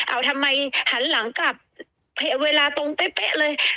เอาทำไมหันหลังกลับเวลาตรงเป๊ะเลย